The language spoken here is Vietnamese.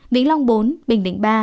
vĩnh long bốn bình định ba